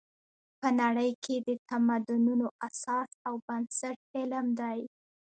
په نړۍ کې د تمدنونو اساس او بنسټ علم دی.